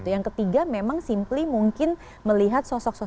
yang ketiga memang simply mungkin melihat sosok sosok